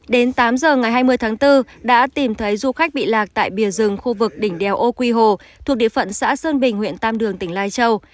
đến tám giờ ngày hai mươi tháng bốn đã tìm thấy du khách bị lạc tại bìa rừng khu vực đỉnh đèo ô quy hồ thuộc địa phận xã sơn bình huyện tam đường tỉnh lai châu